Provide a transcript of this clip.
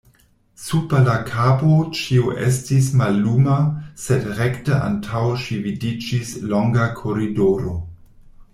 Super la kapo ĉio estis malluma, sed rekte antaŭ ŝi vidiĝis longa koridoro.